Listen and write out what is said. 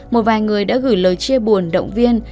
một vài người đã gửi lời chia buồn động viên